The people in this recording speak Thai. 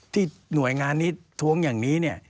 หน่วยงานนี้ท้วงอย่างนี้เนี่ย